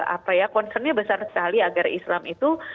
apa ya concernnya besar sekali agar islam itu